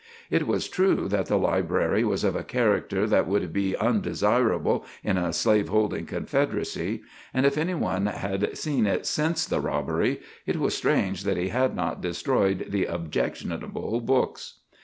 It was true that the library was of a character that would be undesirable in a slaveholding Confederacy; and if any one had seen it since the robbery, it was strange that he had not destroyed the objectionable books.